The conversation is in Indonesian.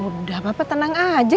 udah papa tenang aja